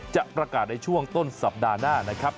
จะประกาศในช่วงต้นสัปดาห์หน้านะครับ